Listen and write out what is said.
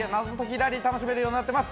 ラリーを楽しむことができるようになっています。